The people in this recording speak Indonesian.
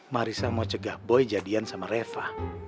marisa mau cegah boy jadian sama reva